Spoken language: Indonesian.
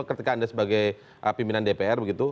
ketika anda sebagai pimpinan dpr begitu